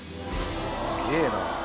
すげえな。